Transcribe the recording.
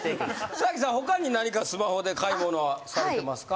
須さん他に何かスマホで買い物はされてますか？